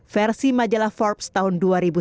versi majalah forbes tahun dua ribu sembilan belas